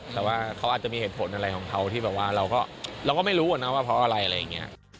แต่ว่าเขาอาจจะมีเหตุผลอะไรของเขาที่แบบว่าเราก็ไม่รู้นะว่าเพราะอะไรอะไรอย่างนี้